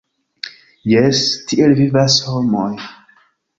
Jes, tiel vivas homoj.